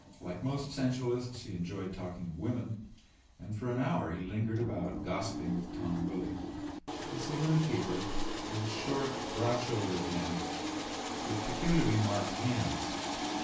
Like most sensualists he enjoyed talking of women, and for an hour he lingered about gossiping with Tom Willy. The saloon keeper was a short, broad shouldered man with peculiarly marked hands.